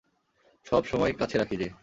সবসময় কাছে রাখি যে।